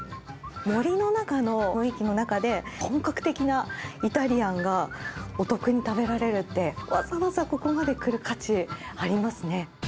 森の中の雰囲気の中で、本格的なイタリアンがお得に食べられるって、わざわざここまでくる価値ありますね。